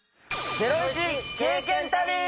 ゼロイチ経験旅！